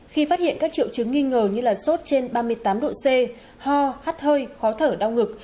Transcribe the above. khi phát hiện các triệu chứng nghi ngờ như sốt trên ba mươi tám độ c ho hát hơi khó thở đau ngực